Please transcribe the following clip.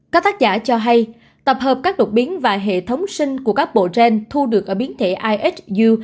các tác giả cho hay tập hợp các đột biến và hệ thống sinh của các bộ gen thu được ở biến thể isu